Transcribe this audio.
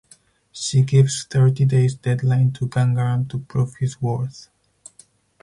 She gives thirty days deadline to Gangaram to prove his worth.